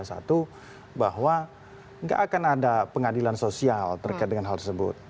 satu bahwa nggak akan ada pengadilan sosial terkait dengan hal tersebut